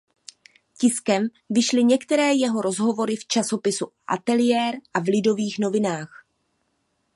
Tiskem vyšly některé jeho rozhovory v časopisu Ateliér a v Lidových novinách.